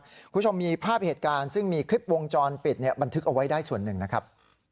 คุณผู้ชมมีภาพเหตุการณ์ซึ่งมีคลิปวงจรปิดบันทึกเอาไว้ได้ส่วนหนึ่งนะครับ